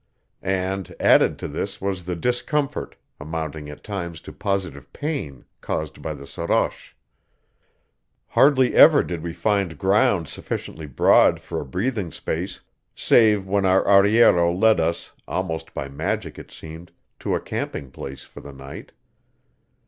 And, added to this was the discomfort, amounting at times to positive pain, caused by the soroche. Hardly ever did we find ground sufficiently broad for a breathing space, save when our arriero led us, almost by magic it seemed, to a camping place for the night.